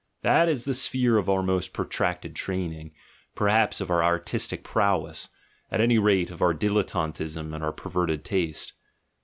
That is the sphere of our most protracted training, perhaps of our artistic prowess, at any rate of our dilettantism and our perverted taste.